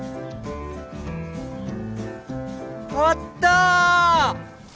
あった！